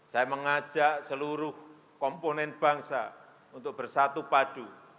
saya mengajak seluruh komponen bangsa untuk bersatu padu